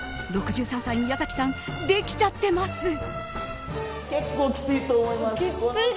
６３歳、宮崎さんできちゃってます。